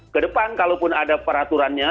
ke depan kalaupun ada peraturannya